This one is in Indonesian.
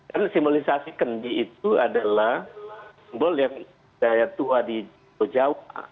dan simbolisasi kendi itu adalah simbol yang daya tua di jawa